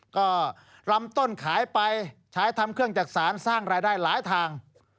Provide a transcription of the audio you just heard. ก็ลำต้นขายไปใช้ทำเครื่องจักษานสร้างรายได้หลายทาง